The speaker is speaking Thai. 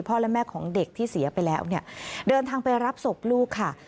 และแม่ของเด็กที่เสียไปแล้วเนี่ยเดินทางไปรับศพลูกค่ะ